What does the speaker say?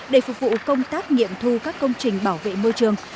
để phục vụ công tác nghiệm thu các công trình bảo vệ môi trường